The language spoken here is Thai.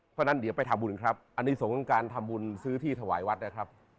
เพราะฉะนั้นเดี๋ยวไปทำบุญครับอันนี้ส่งการทำบุญซื้อที่ถวายวัดนะครับ